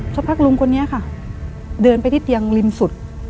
สักพักลุงคนนี้ค่ะเดินไปที่เตียงริมสุด